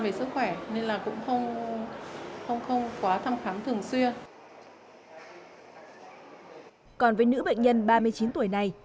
về sức khỏe nên là cũng không quá thăm khám thường xuyên còn với nữ bệnh nhân ba mươi chín tuổi này